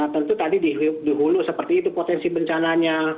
tentu tadi di hulu seperti itu potensi bencananya